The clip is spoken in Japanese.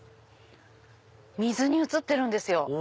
水に映ってるんですよ。